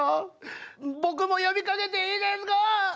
僕も呼びかけていいですか？